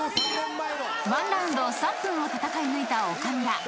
［１ラウンド３分を戦い抜いた岡村］